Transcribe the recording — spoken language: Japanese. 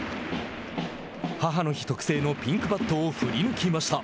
母の日特製のピンクバットを振り抜きました。